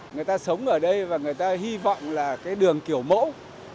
người ta sống ở đây và người ta hy vọng là cái đường kiểu mẫu